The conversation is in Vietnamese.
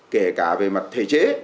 kể cả về mặt thể chế